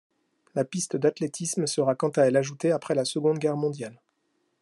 La piste d'athlétisme sera quant à elle ajoutée après la Seconde Guerre mondiale.